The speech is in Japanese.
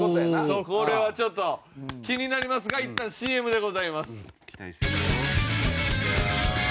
これはちょっと気になりますがいったんＣＭでございます。